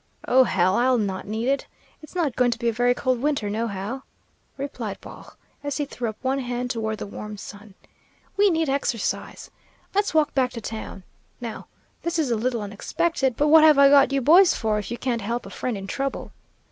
"Oh, hell, I'll not need it. It's not going to be a very cold winter, nohow," replied Baugh, as he threw up one eye toward the warm sun. "We need exercise. Let's walk back to town. Now, this is a little unexpected, but what have I got you boy's for, if you can't help a friend in trouble.